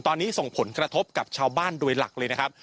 ตอนนี้ส่งผลกระทบกับชาวบ้านโดยหลักเลยนะครับ